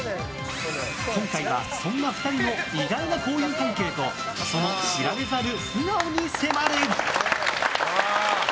今回はそんな２人の意外な交友関係とその知られざる素顔に迫る！